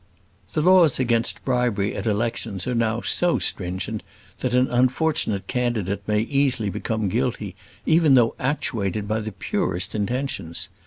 The laws against bribery at elections are now so stringent that an unfortunate candidate may easily become guilty, even though actuated by the purest intentions.